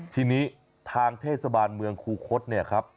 ทีนี้ทางเทศบาลเมืองคูคศเนี่ยครับ